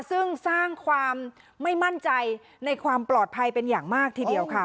ซึ่งสร้างความไม่มั่นใจในความปลอดภัยเป็นอย่างมากทีเดียวค่ะ